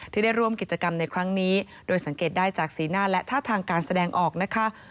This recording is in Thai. ที่ได้ร่วมกิจกรรมในครั้งนี้โดยสังเกตได้จากสีหน้าและท่าทางการแสดงออกนะคะ